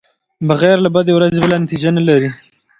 بغیر له بدې ورځې بله نتېجه نلري.